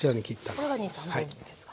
これが２３本分ですかね。